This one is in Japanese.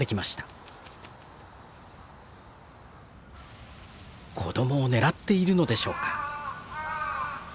子供を狙っているのでしょうか。